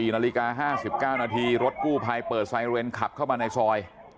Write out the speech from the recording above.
๔นาฬิกา๕๙นาทีรถกู้ภัยเปิดไซเรนขับเข้ามาในซอย